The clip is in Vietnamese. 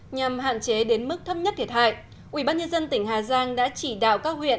nhằm hạn chế đến mức thấp nhất thiệt hại ubnd tỉnh hà giang đã chỉ đạo các huyện